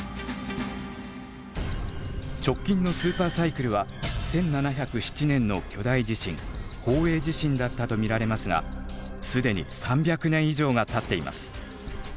直近のスーパーサイクルは１７０７年の巨大地震宝永地震だったと見られますが既に３００年以上がたっています。